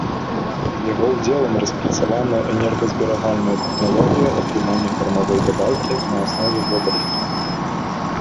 З яго ўдзелам распрацавана энергазберагальная тэхналогія атрымання кармавой дабаўкі на аснове водарасцяў.